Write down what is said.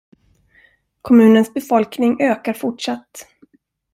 Kommunens befolkning ökar fortsatt.